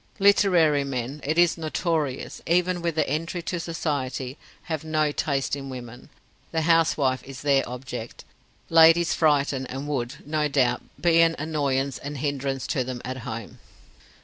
"Literary men, it is notorious, even with the entry to society, have no taste in women. The housewife is their object. Ladies frighten and would, no doubt, be an annoyance and hindrance to them at home."